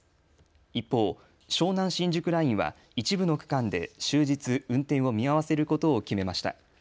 一方、湘南新宿ラインは一部の区間で終日運転を見合わせることを決めました。